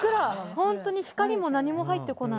本当に光も何も入ってこない。